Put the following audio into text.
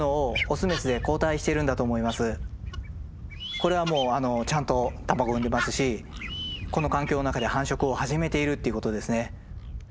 これはもうちゃんと卵産んでますしこの環境の中で繁殖を始めているっていうことですね。